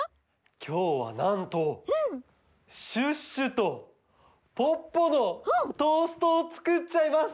きょうはなんとシュッシュとポッポのトーストをつくっちゃいます！